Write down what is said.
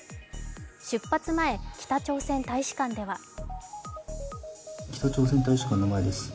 出発前、北朝鮮大使館では北朝鮮大使館の前です。